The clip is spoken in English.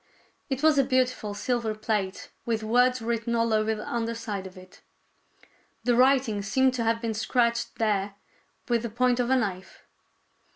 It was a beautiful silver plate, with words written all over the under side of it. The writing seemed to have been scratched there with the point of a knife.